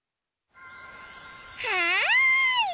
はい！